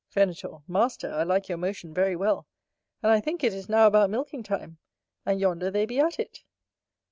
Venator. Master, I like your motion very well: and I think it is now about milking time; and yonder they be at it.